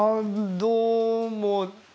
どうも。